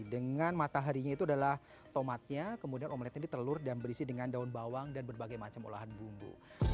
dengan mataharinya itu adalah tomatnya kemudian omelette ini telur dan berisi dengan daun bawang dan berbagai macam olahan bumbu